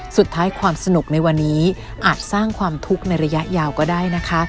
สุดท้ายความสนุกในวันนี้อาจสร้างความทุกข์ในระยะยาวก็ได้นะคะ